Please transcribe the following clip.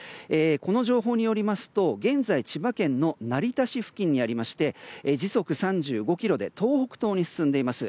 この情報によりますと現在、千葉県の成田市付近にありまして時速３５キロで東北東に進んでいます。